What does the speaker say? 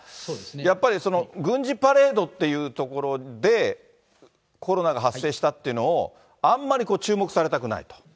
やっぱり軍事パレードっていうところで、コロナが発生したっていうのをあんまり注目されたくないと。